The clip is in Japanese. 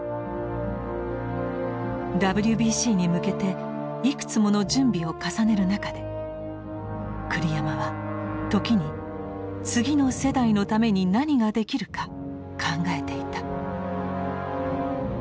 ＷＢＣに向けていくつもの準備を重ねる中で栗山は時に次の世代のために何ができるか考えていた。